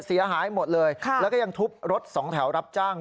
เสียหายหมดเลยแล้วก็ยังทุบรถสองแถวรับจ้าง